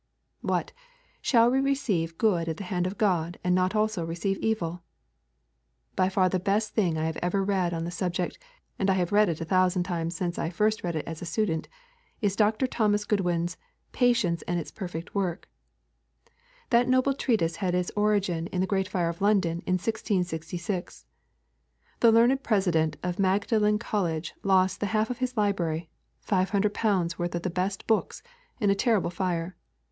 What, shall we receive good at the hand of God and not also receive evil?' By far the best thing I have ever read on this subject, and I have read it a thousand times since I first read it as a student, is Dr. Thomas Goodwin's Patience and its Perfect Work. That noble treatise had its origin in the great fire of London in 1666. The learned President of Magdalen College lost the half of his library, five hundred pounds worth of the best books, in that terrible fire.